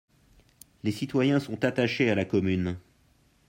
Les citoyens sont attachés à la commune.